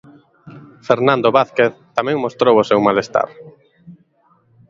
Fernando Vázquez tamén mostrou o seu malestar.